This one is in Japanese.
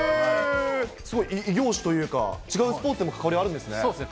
すごい、異業種というか、違うスポーツでも関わりがあるんですね。